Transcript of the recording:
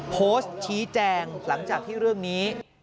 โพสต์ชี้แจงหลังจากที่เรื่องนี้